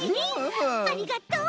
ありがとう！